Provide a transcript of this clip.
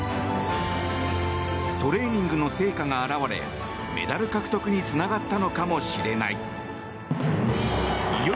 トレーニングの成果が表れメダル獲得につながったのかもしれない。